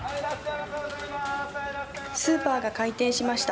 スーパーが開店しました。